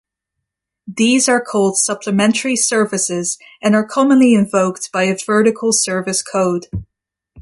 These are called supplementary services and are commonly invoked by a Vertical service code.